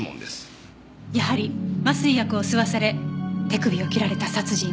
やはり麻酔薬を吸わされ手首を切られた殺人。